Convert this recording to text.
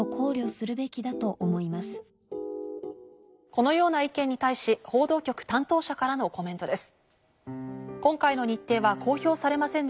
このような意見に対し報道局担当者からのコメントです。